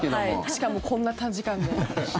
しかも、こんな短時間で。